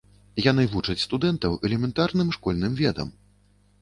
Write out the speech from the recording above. Яны вучаць студэнтаў элементарным школьным ведам.